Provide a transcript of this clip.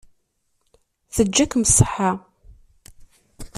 Teǧǧa-kem ṣṣeḥḥa.